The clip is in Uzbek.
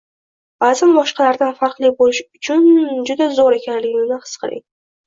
Ba’zan boshqalardan farqli bo’lish juda zo’r ekanligini his qiling